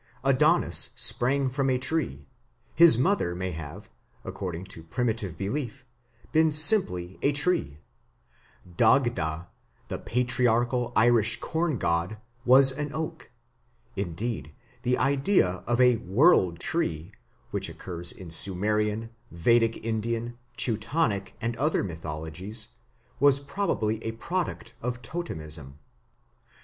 Adonis sprang from a tree; his mother may have, according to primitive belief, been simply a tree; Dagda, the patriarchal Irish corn god, was an oak; indeed, the idea of a "world tree", which occurs in Sumerian, Vedic Indian, Teutonic, and other mythologies, was probably a product of Totemism.